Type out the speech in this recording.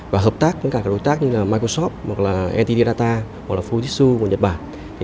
và hợp tác với cả các đối tác như microsoft ntd data futsu của nhật bản